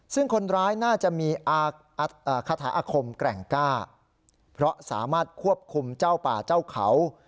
ซึ่งคนร้ายน่าจะมีคาถาอาคมแกร่งกล้าเพราะสามารถควบคุมเจ้าป่าเจ้าเขา